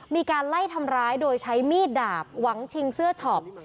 มีการไล่ทำร้ายโดยใช้มีดดาบหวังชิงเสื้อช็อป